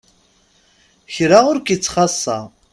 Kra ur k-itt-xasa.